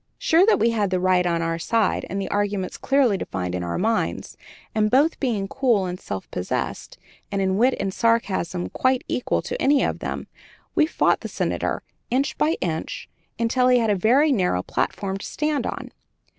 Sure that we had the right on our side and the arguments clearly defined in our minds, and both being cool and self possessed, and in wit and sarcasm quite equal to any of them, we fought the Senator, inch by inch, until he had a very narrow platform to stand on.